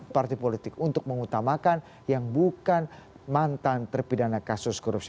partai politik untuk mengutamakan yang bukan mantan terpidana kasus korupsi